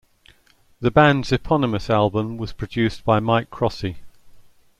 The band's eponymous album was produced by Mike Crossey.